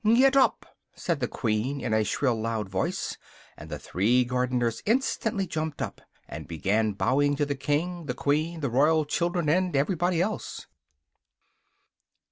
"Get up!" said the Queen, in a shrill loud voice, and the three gardeners instantly jumped up, and began bowing to the King, the Queen, the Royal children, and everybody else.